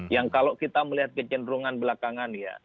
yang kalau kita melihat kecenderungan belakangan ya